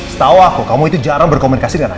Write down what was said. setau aku kamu itu jarang berkomunikasi dengan adik